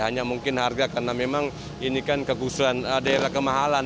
hanya mungkin harga karena memang ini kan kegusuran daerah kemahalan